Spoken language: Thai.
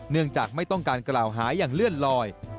จากไม่ต้องการกล่าวหาอย่างเลื่อนลอย